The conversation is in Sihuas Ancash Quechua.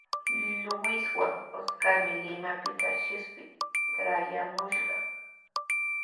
Luiswan Oscarmi Limapita shipshi traayaamushqa.